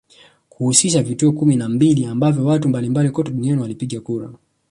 Kuhusisha vivutio kumi na mbili ambapo watu mbalimbali kote duniani walipiga kura